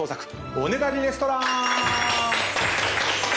おねだりレストラン！